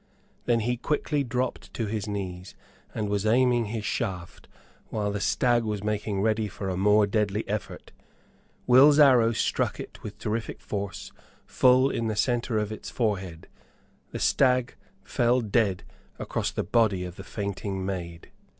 Then he quickly dropped to his knee, and was aiming his shaft whilst the stag was making ready for a more deadly effort. Will's arrow struck it with terrific force full in the center of its forehead. The stag fell dead across the body of the fainting maid.